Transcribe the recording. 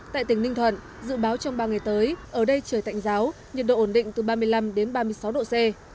tại tỉnh ninh thuận dự báo trong ba ngày tới ở đây trời tạnh giáo nhiệt độ ổn định từ ba mươi năm đến ba mươi sáu độ c